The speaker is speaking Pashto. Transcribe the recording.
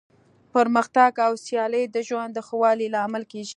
پرمختګ او سیالي د ژوند د ښه والي لامل کیږي.